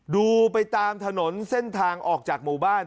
ดูไปตามถนนเส้นทางออกจากหมู่บ้าน